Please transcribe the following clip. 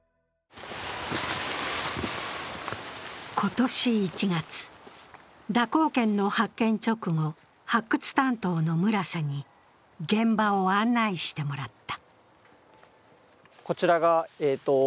今年１月、蛇行剣の発見直後、発掘担当の村瀬に現場を案内してもらった。